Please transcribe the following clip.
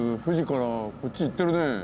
富士からこっち行ってるね。